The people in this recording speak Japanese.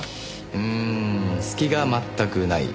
うん隙が全くない。